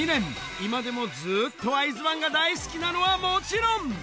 今でもずっとアイズワンが大好きなのはもちろん。